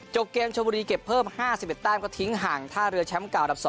เกมชมบุรีเก็บเพิ่ม๕๑แต้มก็ทิ้งห่างท่าเรือแชมป์เก่าอันดับ๒